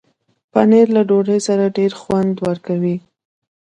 پنېر له ډوډۍ سره ډېر خوند ورکوي.